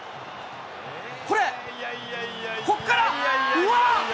これ、ここから、うわ！